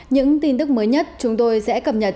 những tin tức mới nhất chúng tôi sẽ cập nhật